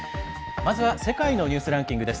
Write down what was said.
まずは「世界のニュースランキング」です。